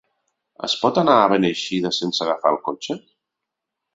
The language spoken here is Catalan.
Es pot anar a Beneixida sense agafar el cotxe?